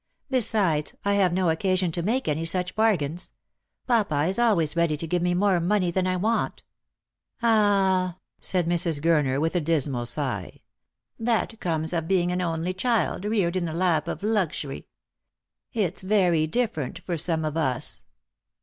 Besides, I have no occasion to make any such bargains. Papa is always ready to give me more money than I want." " Ah," said Mrs. Gurner with a dismal sigh, " that comes of being an only child, reared in the lap of luxury. It's very different for some of us."